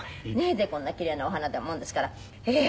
でこんな奇麗なお花だもんですから。ええー